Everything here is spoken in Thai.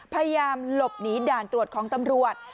พยายามหลบหนีด่านตรวจของตำรวจ